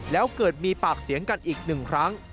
แล้วเกิดมีปากเสียงกันอีกหนึ่งครั้ง